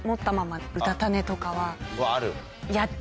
ある？